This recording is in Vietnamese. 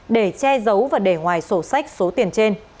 để che giấu và để ngoài sổ sách số tiền trên